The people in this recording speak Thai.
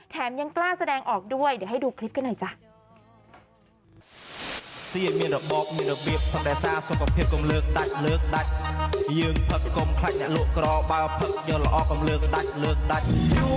ยังกล้าแสดงออกด้วยเดี๋ยวให้ดูคลิปกันหน่อยจ้ะ